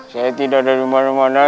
saya tidak dari mana mana